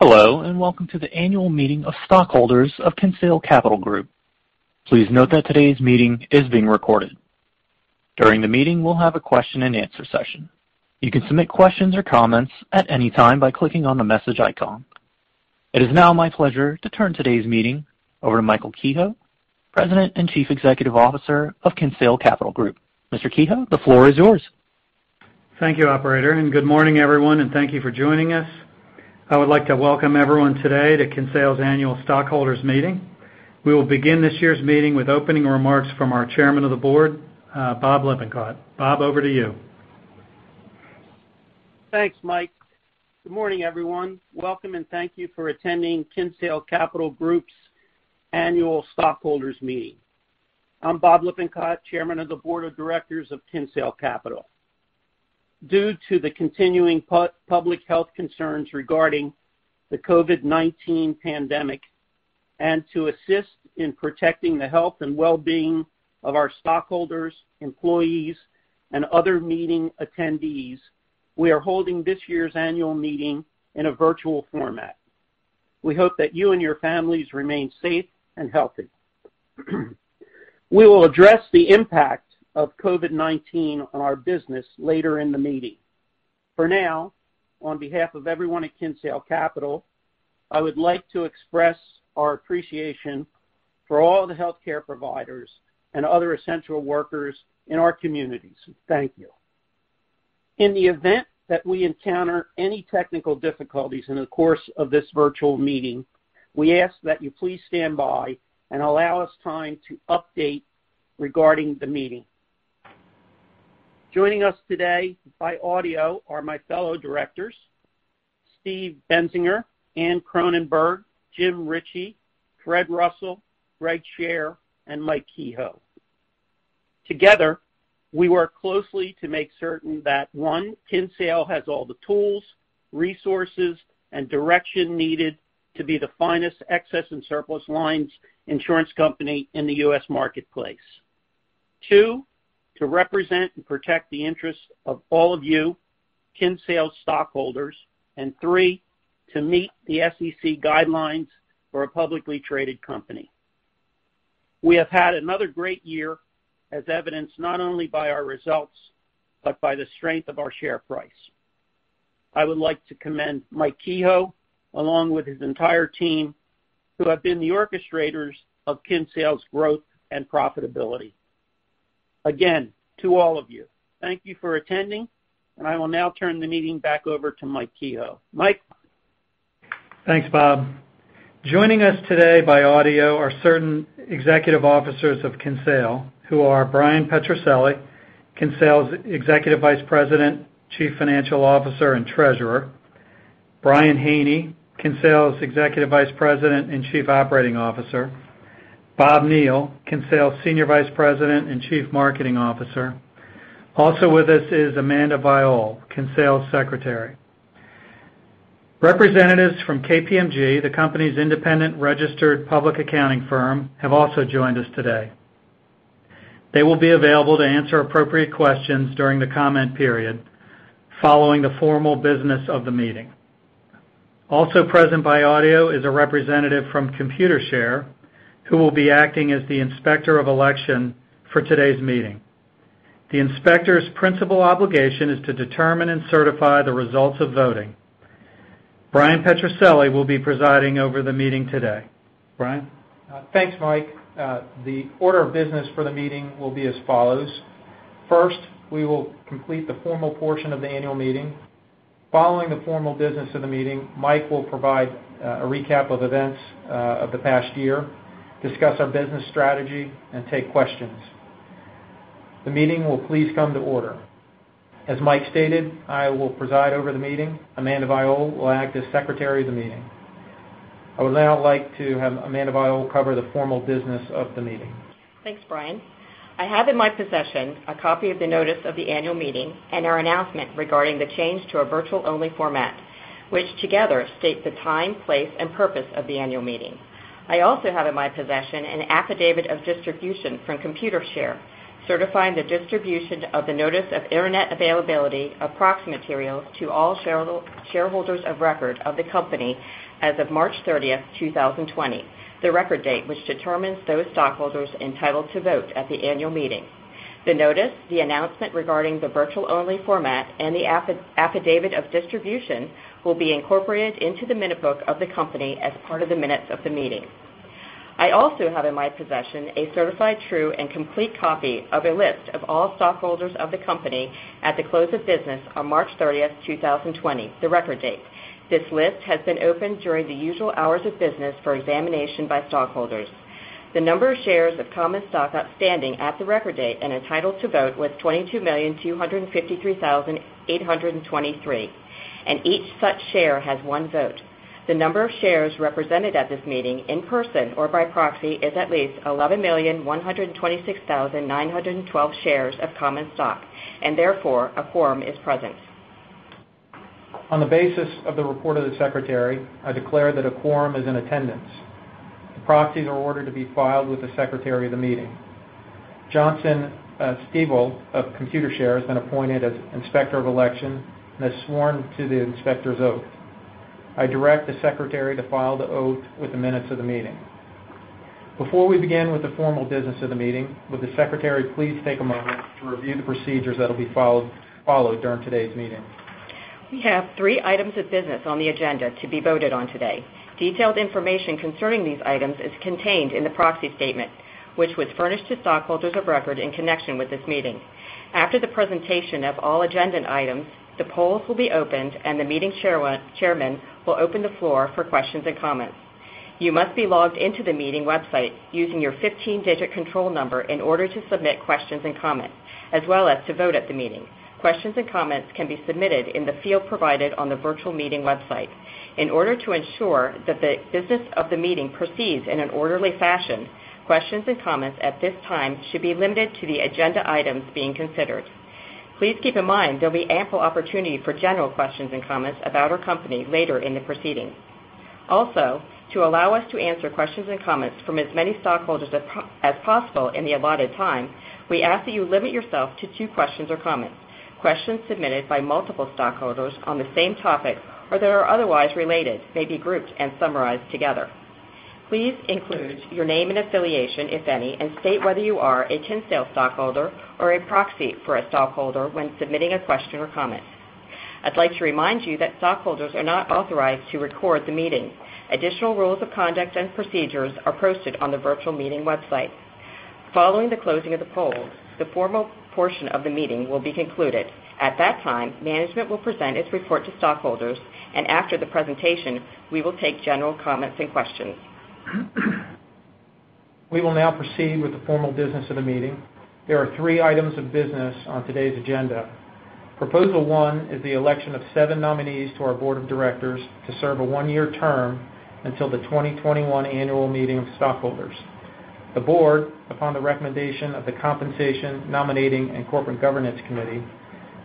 Hello, and welcome to the annual meeting of stockholders of Kinsale Capital Group. Please note that today's meeting is being recorded. During the meeting, we'll have a question-and-answer session. You can submit questions or comments at any time by clicking on the message icon. It is now my pleasure to turn today's meeting over to Michael Kehoe, President and Chief Executive Officer of Kinsale Capital Group. Mr. Kehoe, the floor is yours. Thank you, Operator. Good morning, everyone, and thank you for joining us. I would like to welcome everyone today to Kinsale's annual stockholders' meeting. We will begin this year's meeting with opening remarks from our Chairman of the Board, Bob Lipincott. Bob, over to you. Thanks, Mike. Good morning, everyone. Welcome, and thank you for attending Kinsale Capital Group's annual stockholders' meeting. I'm Bob Lippincott, Chairman of the Board of Directors of Kinsale Capital. Due to the continuing public health concerns regarding the COVID-19 pandemic and to assist in protecting the health and well-being of our stockholders, employees, and other meeting attendees, we are holding this year's annual meeting in a virtual format. We hope that you and your families remain safe and healthy. We will address the impact of COVID-19 on our business later in the meeting. For now, on behalf of everyone at Kinsale Capital, I would like to express our appreciation for all the healthcare providers and other essential workers in our communities. Thank you. In the event that we encounter any technical difficulties in the course of this virtual meeting, we ask that you please stand by and allow us time to update regarding the meeting. Joining us today by audio are my fellow directors, Steve Bensinger, Anne Cronenberg, Jim Ritchie, Fred Russell, Greg Shear, and Mike Kehoe. Together, we work closely to make certain that, one, Kinsale has all the tools, resources, and direction needed to be the finest excess and surplus lines insurance company in the U.S. marketplace; two, to represent and protect the interests of all of you, Kinsale stockholders; and three, to meet the SEC guidelines for a publicly traded company. We have had another great year, as evidenced not only by our results but by the strength of our share price. I would like to commend Mike Kehoe, along with his entire team, who have been the orchestrators of Kinsale's growth and profitability. Again, to all of you, thank you for attending, and I will now turn the meeting back over to Mike Kehoe. Mike. Thanks, Bob. Joining us today by audio are certain executive officers of Kinsale, who are Brian Petrucelli, Kinsale's Executive Vice President, Chief Financial Officer, and Treasurer; Brian Haney, Kinsale's Executive Vice President and Chief Operating Officer; Bob Neal, Kinsale's Senior Vice President and Chief Marketing Officer. Also with us is Amanda Vayol, Kinsale's Secretary. Representatives from KPMG, the company's independent registered public accounting firm, have also joined us today. They will be available to answer appropriate questions during the comment period following the formal business of the meeting. Also present by audio is a representative from Computershare, who will be acting as the inspector of election for today's meeting. The inspector's principal obligation is to determine and certify the results of voting. Brian Petrucelli will be presiding over the meeting today. Brian. Thanks, Mike. The order of business for the meeting will be as follows. First, we will complete the formal portion of the annual meeting. Following the formal business of the meeting, Mike will provide a recap of events of the past year, discuss our business strategy, and take questions. The meeting will please come to order. As Mike stated, I will preside over the meeting. Amanda Vayol will act as Secretary of the meeting. I would now like to have Amanda Vayol cover the formal business of the meeting. Thanks, Brian. I have in my possession a copy of the notice of the annual meeting and our announcement regarding the change to a virtual-only format, which together state the time, place, and purpose of the annual meeting. I also have in my possession an affidavit of distribution from Computershare, certifying the distribution of the notice of internet availability of proxy materials to all shareholders of record of the company as of March 30, 2020, the record date which determines those stockholders entitled to vote at the annual meeting. The notice, the announcement regarding the virtual-only format, and the affidavit of distribution will be incorporated into the minute book of the company as part of the minutes of the meeting. I also have in my possession a certified true and complete copy of a list of all stockholders of the company at the close of business on March 30, 2020, the record date. This list has been opened during the usual hours of business for examination by stockholders. The number of shares of common stock outstanding at the record date and entitled to vote was 22,253,823, and each such share has one vote. The number of shares represented at this meeting in person or by proxy is at least 11,126,912 shares of common stock, and therefore a quorum is present. On the basis of the report of the Secretary, I declare that a quorum is in attendance. The proxies are ordered to be filed with the Secretary of the meeting. Johnson Stevoll of Computershare has been appointed as Inspector of Election and has sworn to the Inspector's Oath. I direct the Secretary to file the oath with the minutes of the meeting. Before we begin with the formal business of the meeting, would the Secretary please take a moment to review the procedures that will be followed during today's meeting? We have three items of business on the agenda to be voted on today. Detailed information concerning these items is contained in the proxy statement, which was furnished to stockholders of record in connection with this meeting. After the presentation of all agenda items, the polls will be opened, and the meeting chairman will open the floor for questions and comments. You must be logged into the meeting website using your 15-digit control number in order to submit questions and comments, as well as to vote at the meeting. Questions and comments can be submitted in the field provided on the virtual meeting website. In order to ensure that the business of the meeting proceeds in an orderly fashion, questions and comments at this time should be limited to the agenda items being considered. Please keep in mind there will be ample opportunity for general questions and comments about our company later in the proceedings. Also, to allow us to answer questions and comments from as many stockholders as possible in the allotted time, we ask that you limit yourself to two questions or comments. Questions submitted by multiple stockholders on the same topic or that are otherwise related may be grouped and summarized together. Please include your name and affiliation, if any, and state whether you are a Kinsale stockholder or a proxy for a stockholder when submitting a question or comment. I'd like to remind you that stockholders are not authorized to record the meeting. Additional rules of conduct and procedures are posted on the virtual meeting website. Following the closing of the polls, the formal portion of the meeting will be concluded. At that time, management will present its report to stockholders, and after the presentation, we will take general comments and questions. We will now proceed with the formal business of the meeting. There are three items of business on today's agenda. Proposal one is the election of seven nominees to our Board of Directors to serve a one-year term until the 2021 annual meeting of stockholders. The Board, upon the recommendation of the Compensation, Nominating, and Corporate Governance Committee,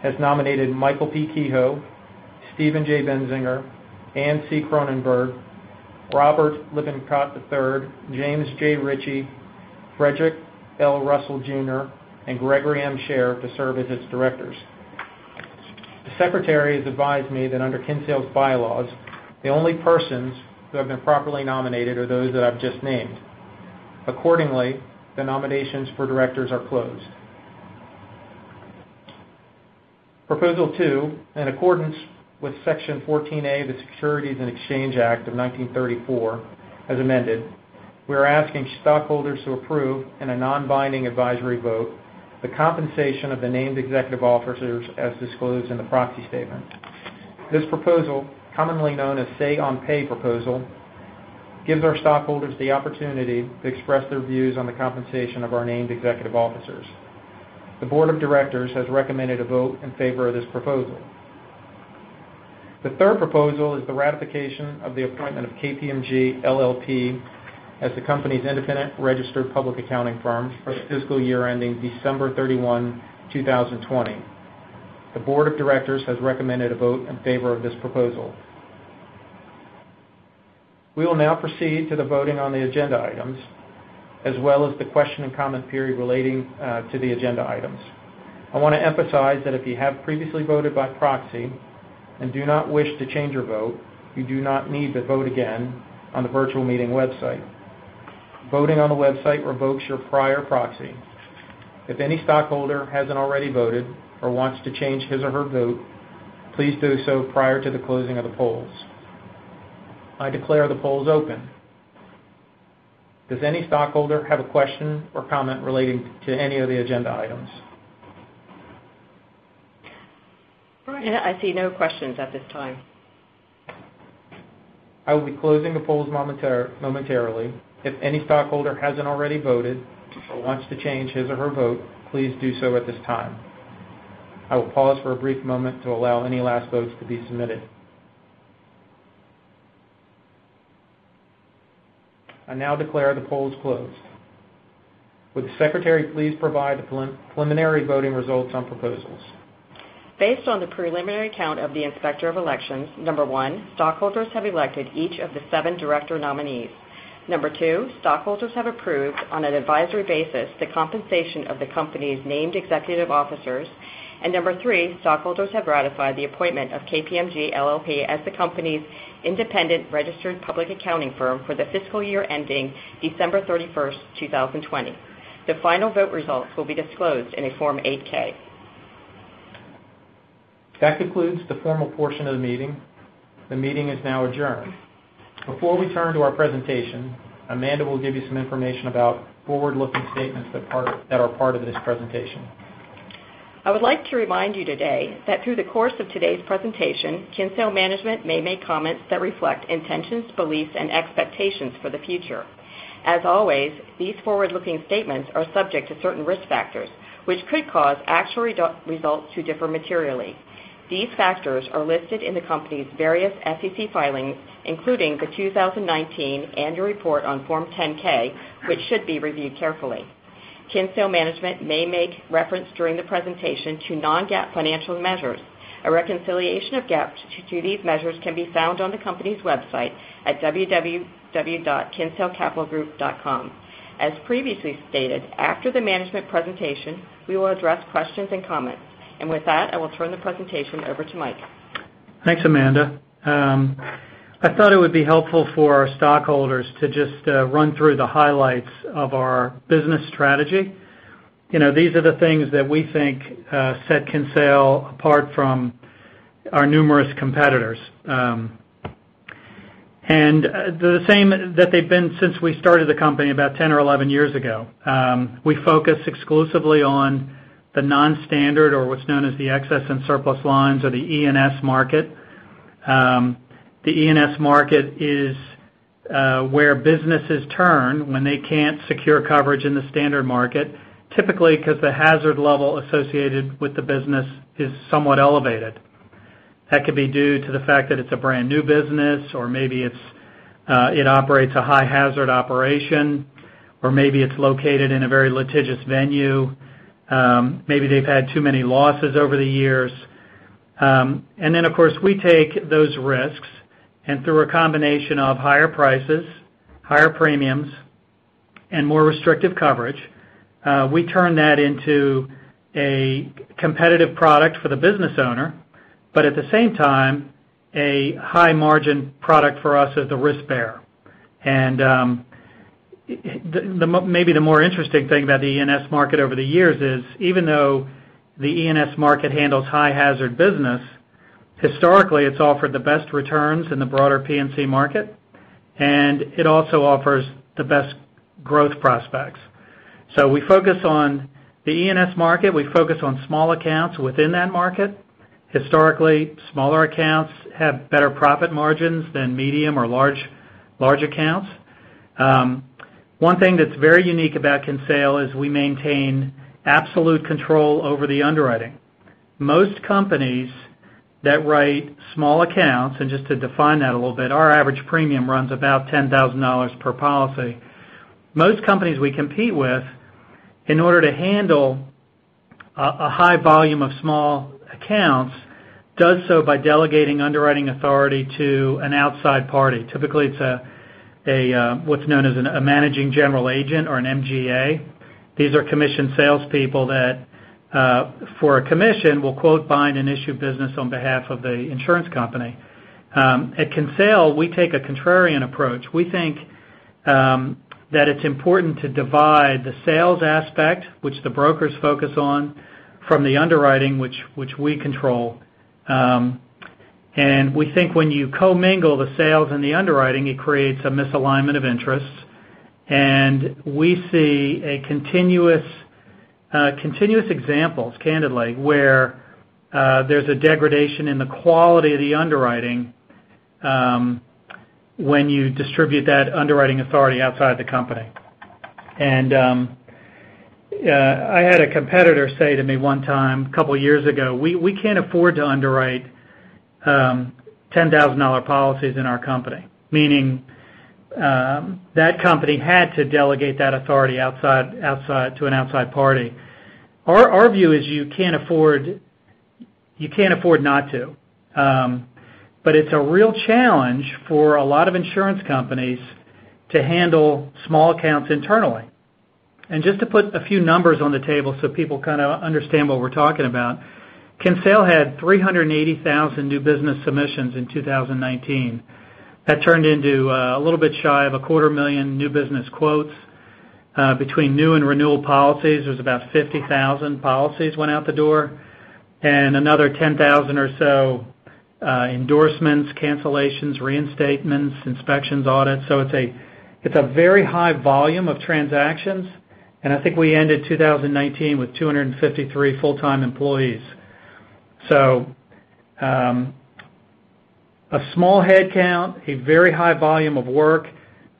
has nominated Michael P. Kehoe, Stephen J. Bensinger, Anne C. Cronenberg, Robert Lipincott III, James J. Ritchie, Frederick L. Russell Jr., and Gregory M. Shear to serve as its directors. The Secretary has advised me that under Kinsale's bylaws, the only persons who have been properly nominated are those that I've just named. Accordingly, the nominations for directors are closed. Proposal two, in accordance with Section 14A of the Securities and Exchange Act of 1934, as amended, we are asking stockholders to approve in a non-binding advisory vote the compensation of the named executive officers as disclosed in the proxy statement. This proposal, commonly known as the say-on-pay proposal, gives our stockholders the opportunity to express their views on the compensation of our named executive officers. The Board of Directors has recommended a vote in favor of this proposal. The third proposal is the ratification of the appointment of KPMG LLP as the company's independent registered public accounting firm for the fiscal year ending December 31, 2020. The Board of Directors has recommended a vote in favor of this proposal. We will now proceed to the voting on the agenda items, as well as the question and comment period relating to the agenda items. I want to emphasize that if you have previously voted by proxy and do not wish to change your vote, you do not need to vote again on the virtual meeting website. Voting on the website revokes your prior proxy. If any stockholder has not already voted or wants to change his or her vote, please do so prior to the closing of the polls. I declare the polls open. Does any stockholder have a question or comment relating to any of the agenda items? Brian. I see no questions at this time. I will be closing the polls momentarily. If any stockholder hasn't already voted or wants to change his or her vote, please do so at this time. I will pause for a brief moment to allow any last votes to be submitted. I now declare the polls closed. Would the Secretary please provide the preliminary voting results on proposals? Based on the preliminary count of the Inspector of Elections, number one, stockholders have elected each of the seven director nominees. Number two, stockholders have approved on an advisory basis the compensation of the company's named executive officers. Number three, stockholders have ratified the appointment of KPMG LLP as the company's independent registered public accounting firm for the fiscal year ending December 31, 2020. The final vote results will be disclosed in a Form 8-K. That concludes the formal portion of the meeting. The meeting is now adjourned. Before we turn to our presentation, Amanda will give you some information about forward-looking statements that are part of this presentation. I would like to remind you today that through the course of today's presentation, Kinsale management may make comments that reflect intentions, beliefs, and expectations for the future. As always, these forward-looking statements are subject to certain risk factors, which could cause actual results to differ materially. These factors are listed in the company's various SEC filings, including the 2019 annual report on Form 10-K, which should be reviewed carefully. Kinsale management may make reference during the presentation to non-GAAP financial measures. A reconciliation of GAAP to these measures can be found on the company's website at www.kinsalecapitalgroup.com. As previously stated, after the management presentation, we will address questions and comments. With that, I will turn the presentation over to Mike. Thanks, Amanda. I thought it would be helpful for our stockholders to just run through the highlights of our business strategy. These are the things that we think set Kinsale apart from our numerous competitors. The same that they've been since we started the company about 10 years or 11 years ago. We focus exclusively on the non-standard or what's known as the excess and surplus lines or the E&S market. The E&S market is where businesses turn when they can't secure coverage in the standard market, typically because the hazard level associated with the business is somewhat elevated. That could be due to the fact that it's a brand new business, or maybe it operates a high-hazard operation, or maybe it's located in a very litigious venue. Maybe they've had too many losses over the years. We take those risks, and through a combination of higher prices, higher premiums, and more restrictive coverage, we turn that into a competitive product for the business owner, but at the same time, a high-margin product for us as the risk bearer. Maybe the more interesting thing about the E&S market over the years is, even though the E&S market handles high-hazard business, historically, it has offered the best returns in the broader P&C market, and it also offers the best growth prospects. We focus on the E&S market. We focus on small accounts within that market. Historically, smaller accounts have better profit margins than medium or large accounts. One thing that is very unique about Kinsale is we maintain absolute control over the underwriting. Most companies that write small accounts, and just to define that a little bit, our average premium runs about $10,000 per policy. Most companies we compete with, in order to handle a high volume of small accounts, do so by delegating underwriting authority to an outside party. Typically, it's what's known as a managing general agent or an MGA. These are commissioned salespeople that, for a commission, will quote, bind, and issue business on behalf of the insurance company. At Kinsale, we take a contrarian approach. We think that it's important to divide the sales aspect, which the brokers focus on, from the underwriting, which we control. We think when you co-mingle the sales and the underwriting, it creates a misalignment of interests. We see continuous examples, candidly, where there's a degradation in the quality of the underwriting when you distribute that underwriting authority outside the company. I had a competitor say to me one time, a couple of years ago, "We can't afford to underwrite $10,000 policies in our company," meaning that company had to delegate that authority to an outside party. Our view is you can't afford not to. It is a real challenge for a lot of insurance companies to handle small accounts internally. Just to put a few numbers on the table so people kind of understand what we're talking about, Kinsale had 380,000 new business submissions in 2019. That turned into a little bit shy of a quarter million new business quotes. Between new and renewal policies, there was about 50,000 policies went out the door, and another 10,000 or so endorsements, cancellations, reinstatements, inspections, audits. It is a very high volume of transactions. I think we ended 2019 with 253 full-time employees. A small headcount, a very high volume of work.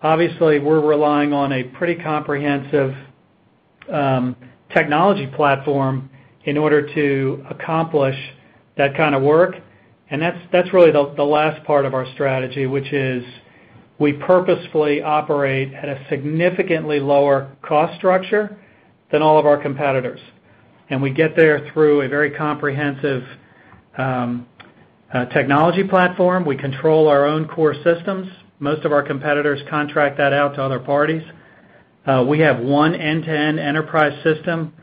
Obviously, we're relying on a pretty comprehensive technology platform in order to accomplish that kind of work. That's really the last part of our strategy, which is we purposefully operate at a significantly lower cost structure than all of our competitors. We get there through a very comprehensive technology platform. We control our own core systems. Most of our competitors contract that out to other parties. We have one end-to-end enterprise system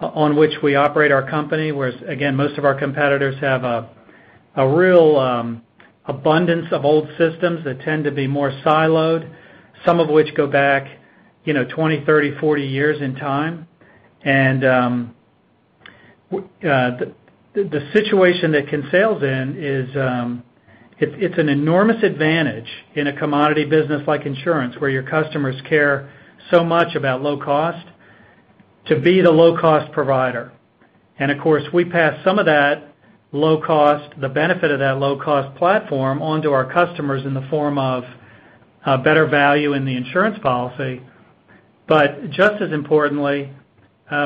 on which we operate our company, whereas, again, most of our competitors have a real abundance of old systems that tend to be more siloed, some of which go back 20, 30, 40 years in time. The situation that Kinsale's in is it's an enormous advantage in a commodity business like insurance, where your customers care so much about low cost, to be the low-cost provider. Of course, we pass some of that low cost, the benefit of that low-cost platform, onto our customers in the form of better value in the insurance policy. Just as importantly,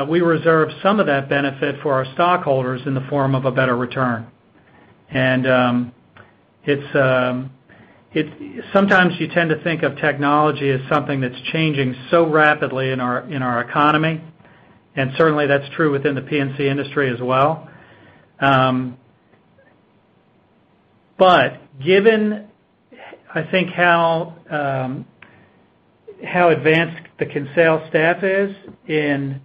we reserve some of that benefit for our stockholders in the form of a better return. Sometimes you tend to think of technology as something that's changing so rapidly in our economy. Certainly, that's true within the P&C industry as well. Given, I think, how advanced the Kinsale staff is in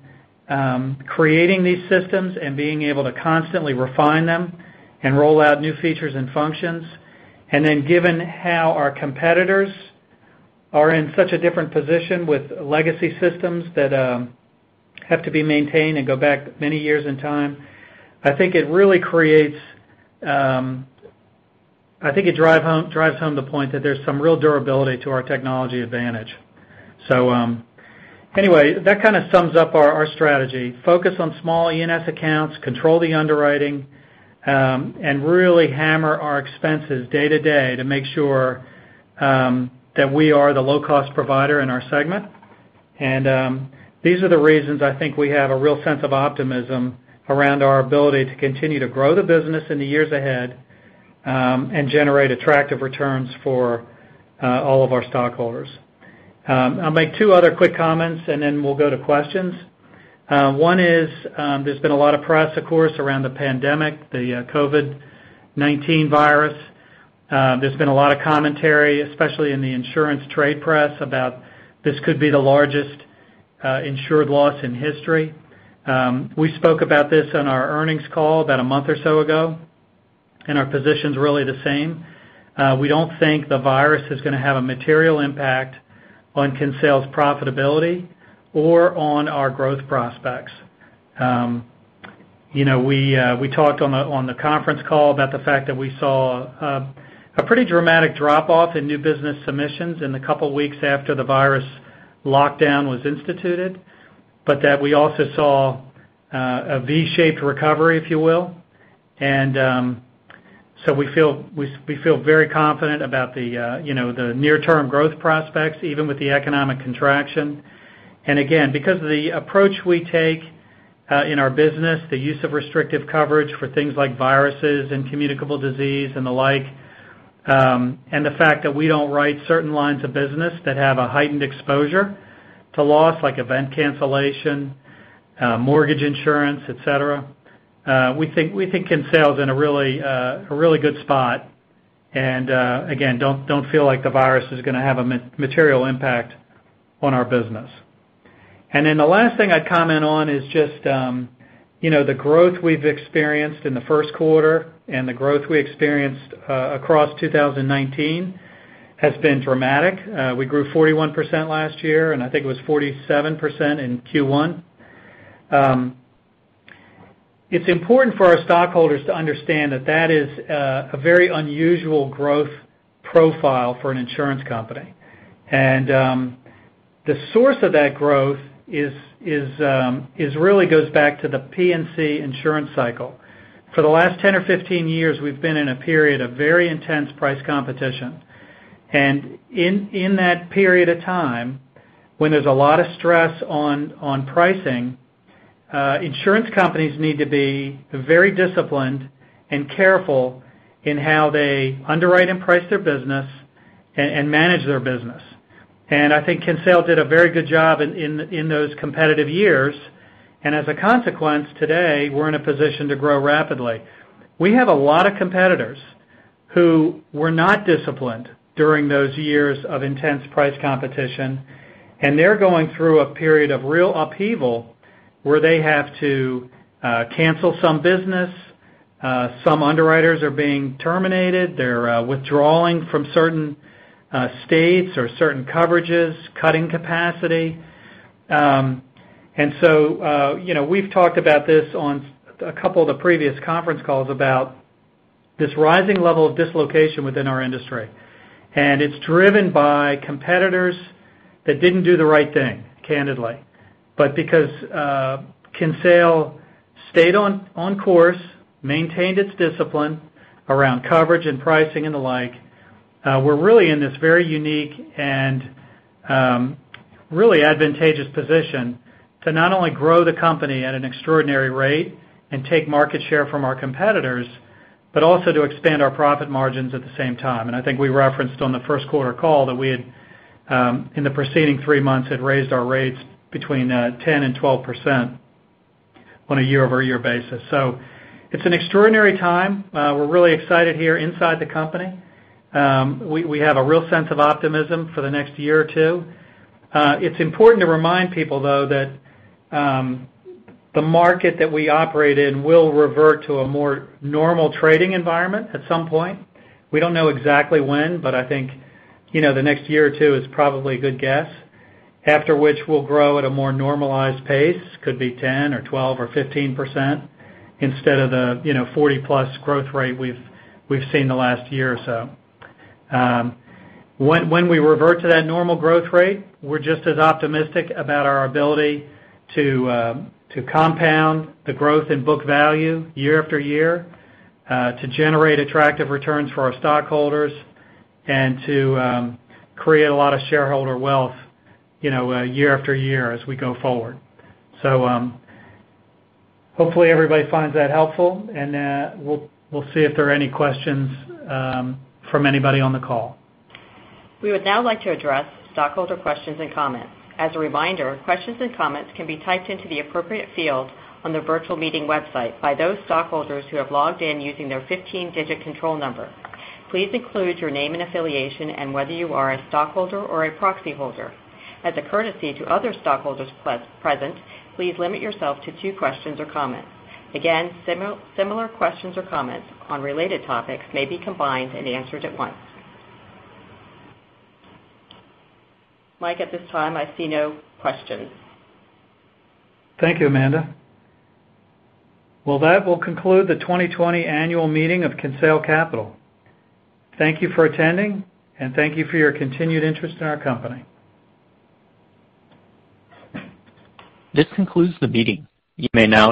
creating these systems and being able to constantly refine them and roll out new features and functions, and then given how our competitors are in such a different position with legacy systems that have to be maintained and go back many years in time, I think it really drives home the point that there's some real durability to our technology advantage. That kind of sums up our strategy. Focus on small E&S accounts, control the underwriting, and really hammer our expenses day to day to make sure that we are the low-cost provider in our segment. These are the reasons I think we have a real sense of optimism around our ability to continue to grow the business in the years ahead and generate attractive returns for all of our stockholders. I'll make two other quick comments, and then we'll go to questions. One is there's been a lot of press, of course, around the pandemic, the COVID-19 virus. There's been a lot of commentary, especially in the insurance trade press, about this could be the largest insured loss in history. We spoke about this on our earnings call about a month or so ago, and our position's really the same. We don't think the virus is going to have a material impact on Kinsale's profitability or on our growth prospects. We talked on the conference call about the fact that we saw a pretty dramatic drop-off in new business submissions in the couple of weeks after the virus lockdown was instituted, but that we also saw a V-shaped recovery, if you will. We feel very confident about the near-term growth prospects, even with the economic contraction. Again, because of the approach we take in our business, the use of restrictive coverage for things like viruses and communicable disease and the like, and the fact that we do not write certain lines of business that have a heightened exposure to loss like event cancellation, mortgage insurance, etc., we think Kinsale's in a really good spot. Again, do not feel like the virus is going to have a material impact on our business. The last thing I would comment on is just the growth we have experienced in the first quarter and the growth we experienced across 2019 has been dramatic. We grew 41% last year, and I think it was 47% in Q1. It is important for our stockholders to understand that that is a very unusual growth profile for an insurance company. The source of that growth really goes back to the P&C insurance cycle. For the last 10 years or 15 years, we've been in a period of very intense price competition. In that period of time, when there's a lot of stress on pricing, insurance companies need to be very disciplined and careful in how they underwrite and price their business and manage their business. I think Kinsale did a very good job in those competitive years. As a consequence, today, we're in a position to grow rapidly. We have a lot of competitors who were not disciplined during those years of intense price competition, and they're going through a period of real upheaval where they have to cancel some business. Some underwriters are being terminated. They're withdrawing from certain states or certain coverages, cutting capacity. We've talked about this on a couple of the previous conference calls about this rising level of dislocation within our industry. It is driven by competitors that did not do the right thing, candidly. Because Kinsale stayed on course, maintained its discipline around coverage and pricing and the like, we are really in this very unique and really advantageous position to not only grow the company at an extraordinary rate and take market share from our competitors, but also to expand our profit margins at the same time. I think we referenced on the first quarter call that we had, in the preceding three months, had raised our rates between 10%-12% on a year-over-year basis. It is an extraordinary time. We are really excited here inside the company. We have a real sense of optimism for the next year or two. It is important to remind people, though, that the market that we operate in will revert to a more normal trading environment at some point. We don't know exactly when, but I think the next year or two is probably a good guess, after which we'll grow at a more normalized pace. It could be 10% or 12% or 15% instead of the 40%+ growth rate we've seen the last year or so. When we revert to that normal growth rate, we're just as optimistic about our ability to compound the growth and book value year after year, to generate attractive returns for our stockholders, and to create a lot of shareholder wealth year after year as we go forward. Hopefully, everybody finds that helpful, and we'll see if there are any questions from anybody on the call. We would now like to address stockholder questions and comments. As a reminder, questions and comments can be typed into the appropriate field on the virtual meeting website by those stockholders who have logged in using their 15-digit control number. Please include your name and affiliation and whether you are a stockholder or a proxy holder. As a courtesy to other stockholders present, please limit yourself to two questions or comments. Again, similar questions or comments on related topics may be combined and answered at once. Mike, at this time, I see no questions. Thank you, Amanda. That will conclude the 2020 annual meeting of Kinsale Capital. Thank you for attending, and thank you for your continued interest in our company. This concludes the meeting. You may now.